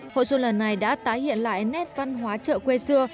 hội xuân lần này đã tái hiện lại nét văn hóa chợ quê xưa